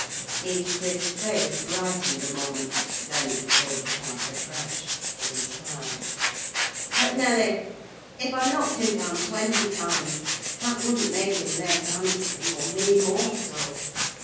Heathcliff's face brightened a moment; then it was overcast afresh, and he sighed. "But, Nelly, if I knocked him down twenty times, that wouldn't make him less handsome or me more so.